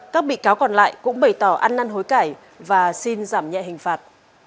các bị cáo còn lại cũng bày tỏ ăn năn hối cải và xin giảm nhẹ hình phạt